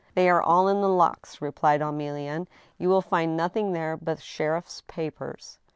" They are all in the locks," replied Emilienne ;" you will find nothing there but sheriff's papers."